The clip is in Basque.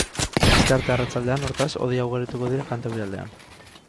Astearte arratsaldean, hortaz, hodeiak ugarituko dira kantaurialdean.